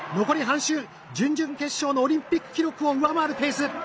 残り半周準々決勝のオリンピック記録を上回るペース。